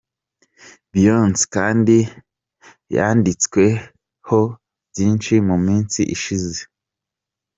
Beyonce kandi yanditsweho byinshi mu minsi ishize aho.